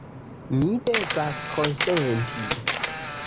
Mi devas konsenti.